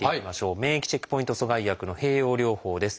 免疫チェックポイント阻害薬の併用療法です。